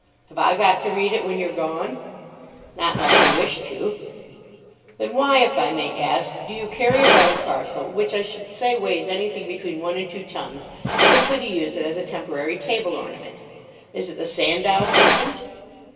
"Have I got to read it when you're gone?" "Not unless you wish to." "Then why, if I may ask, do you carry about a parcel which, I should say, weighs anything between one and two tons, simply to use it as a temporary table ornament? Is it the Sandow System?"